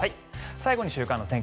最後に週間天気